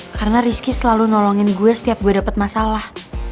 karena rizky selalu nolongin gue setiap gue dapet masalah